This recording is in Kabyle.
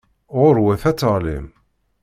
Ɣur-wat ad teɣlim.